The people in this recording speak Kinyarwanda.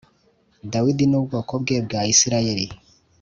Dawidi n ubwoko bwe bwa isirayeli